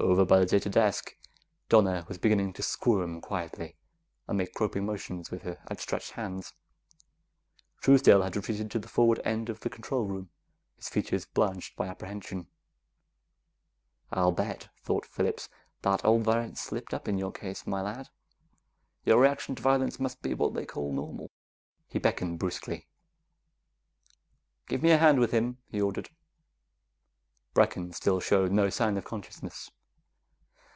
Over by the data desk, Donna was beginning to squirm quietly and make groping motions with her outstretched hands. Truesdale had retreated to the forward end of the control room, his features blanched by apprehension. I'll bet, thought Phillips, that old Varret slipped up in your case, my lad. Your reaction to violence must be what they call normal. He beckoned brusquely. "Give me a hand with him," he ordered. Brecken still showed no sign of consciousness.